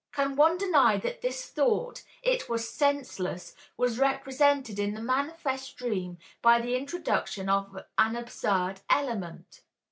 Can one deny that this thought, "It was senseless," was represented in the manifest dream by the introduction of an absurd element?